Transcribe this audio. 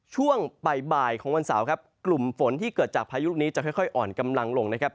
ช่วงบ่ายของวันเสาร์ครับกลุ่มฝนที่เกิดจากพายุลูกนี้จะค่อยอ่อนกำลังลงนะครับ